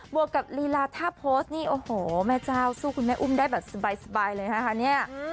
วกกับลีลาถ้าโพสต์นี่โอ้โหแม่เจ้าสู้คุณแม่อุ้มได้แบบสบายเลยนะคะเนี่ย